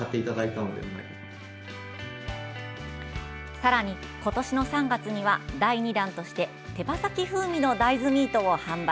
さらに、今年の３月には第２弾として手羽先風味の大豆ミートを販売。